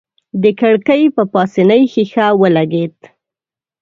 د کړکۍ په پاسنۍ ښيښه ولګېد.